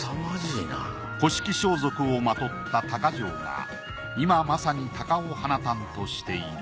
古式装束をまとった鷹匠が今まさに鷹を放たんとしている。